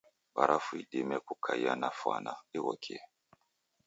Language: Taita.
Barafu idima kukaia na fwana ighokie.